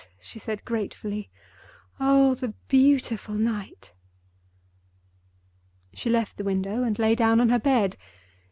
she said, gratefully. "Oh, the beautiful night!" She left the window and lay down on her bed.